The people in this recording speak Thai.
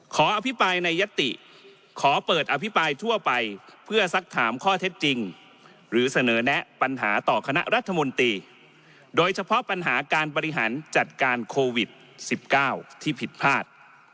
อภิปรายในยติขอเปิดอภิปรายทั่วไปเพื่อสักถามข้อเท็จจริงหรือเสนอแนะปัญหาต่อคณะรัฐมนตรีโดยเฉพาะปัญหาการบริหารจัดการโควิด๑๙ที่ผิดพลาด